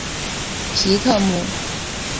皮特姆。